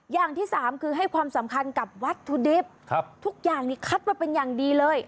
อย่างที่สามคือให้ความสำคัญกับวัตถุดิบทุกอย่างนี้คัดมาเป็นอย่างดีเลย